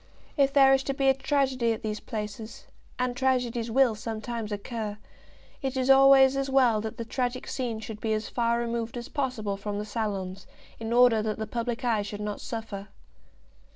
If there is to be a tragedy at these places, and tragedies will sometimes occur, it is always as well that the tragic scene should be as far removed as possible from the salons, in order that the public eye should not suffer.